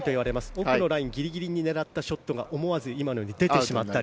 奥のラインギリギリを狙ったショットが思わず今のように出てしまったり。